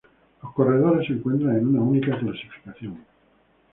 Los corredores se encuentran en una única clasificación.